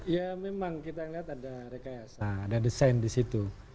ya memang kita lihat ada rekayasa ada desain di situ